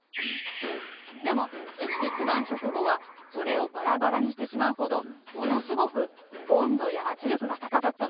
でもビッグバン直後はそれをバラバラにしてしまうほどものすごく温度や圧力が高かったの。